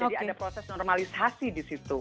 jadi ada proses normalisasi di situ